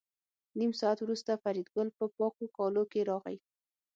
نیم ساعت وروسته فریدګل په پاکو کالو کې راغی